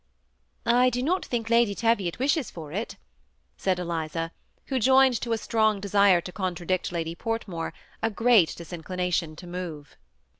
'' "1 do not think Lady Teviot wishes for it," said ISIissa, who joined to a strong desire to contradict Lady Portmore, a great disinclination to move.